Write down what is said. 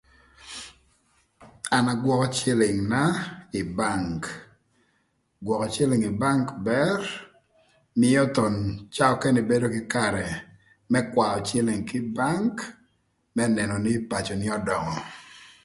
An agwökö cïlïngna ï bank. Gwökö cïlïng ï bank bër mïö thon caa ökënë ibedo kï karë më kwaö cïlïng kï ï bank më nënö nï pacöni ödöngö